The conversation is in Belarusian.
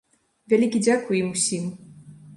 Вялікі дзякуй ім усім.